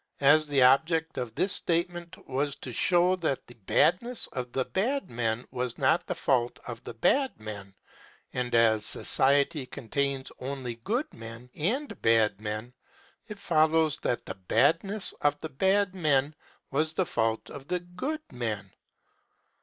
As the object of this statement was to show that the badness of the bad men was not the fault of the bad men, and as society contains only good men and bad men, it followed that the badness of the bad men was the fault of the good men.